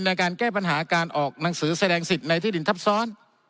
ในการแก้ปัญหาการออกหนังสือแสดงสิทธิ์ในที่ดินทับซ้อน